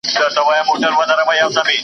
که مي هر څه په غپا یوسي خوبونه .